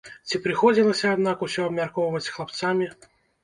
Ці прыходзілася, аднак, усё абмяркоўваць з хлапцамі?